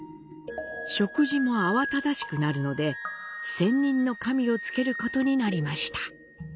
食事も慌ただしくなるので、専任の神を就けることになりました。